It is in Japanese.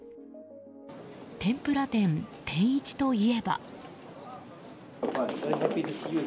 天ぷら店天一といえば。